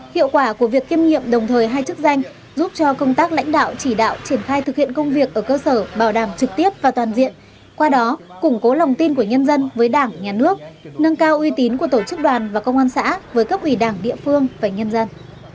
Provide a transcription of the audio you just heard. hiệu quả của việc kiêm nhiệm đồng thời hai chức danh giúp cho công tác lãnh đạo chỉ đạo triển khai thực hiện công việc ở cơ sở bảo đảm trực tiếp và toàn diện qua đó củng cố lòng tin của nhân dân với đảng nhà nước nâng cao uy tín của tổ chức đoàn và công an xã với cấp ủy đảng địa phương và nhân dân